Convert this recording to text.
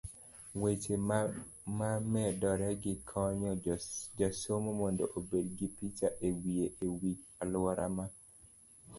weche mamedoregi konyo jasomo mondo obed gi picha e wiye e wi aluora ma